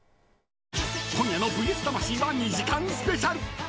今夜の「ＶＳ魂」は２時間スペシャル。